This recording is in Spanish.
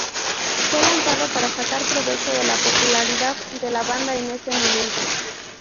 Fue lanzado para sacar provecho de la popularidad de la banda en ese momento.